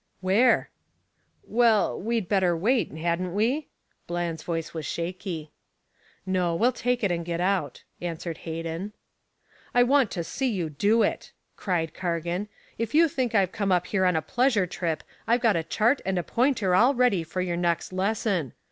"Where?" "Well we'd better wait, hadn't we?" Bland's, voice was shaky. "No. We'll take it and get out," answered Hayden. "I want to see you do it," cried Cargan. "If you think I've come up here on a pleasure trip, I got a chart and a pointer all ready for your next lesson.